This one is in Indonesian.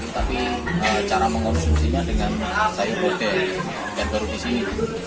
tapi cara mengonsumsinya dengan sayur kode yang baru di sini